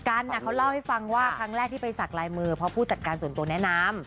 กันเขาเล่าให้ฟังว่าครั้งแรกที่ไปสักลายมือเพราะผู้จัดการส่วนตัวแนะนำ